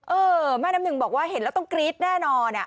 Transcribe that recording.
เออแม่น้ำหนึ่งบอกว่าเห็นแล้วต้องกรี๊ดแน่นอน